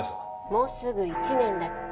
もうすぐ１年だっけ？